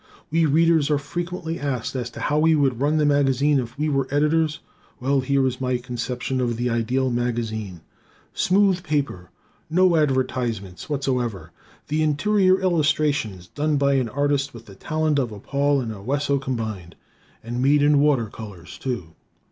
We Readers are frequently asked as to how we would run the magazine if we were Editors. Well, here is my conception of the ideal magazine: Smooth paper, no advertisements whatsoever, the interior illustrations done by an artist with the talent of a Paul and a Wesso combined, and made in water colors, too.